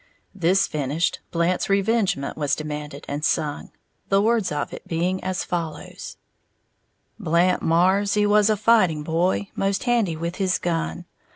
This finished, "Blant's Revengement" was demanded and sung, the words of it being as follows: Blant Marrs he was a fighting boy, Most handy with his gun.